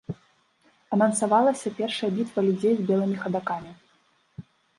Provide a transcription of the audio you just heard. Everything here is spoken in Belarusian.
Анансавалася першая бітва людзей з белымі хадакамі.